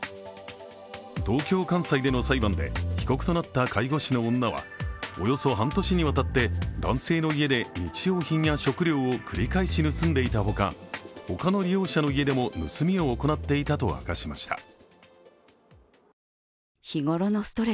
東京簡裁での裁判で被告となった介護士の女はおよそ半年にわたって男性の家で日用品や食料を繰り返し盗んでいたほか他の利用者の家でも盗みを行っていたと明かしました。